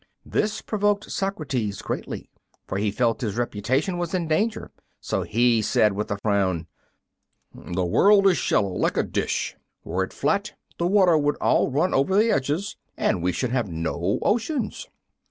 This provoked Socrates greatly, for he felt his reputation was in danger; so he said with a frown, "The world is shallow, like a dish; were it flat the water would all run over the edges, and we should have no oceans."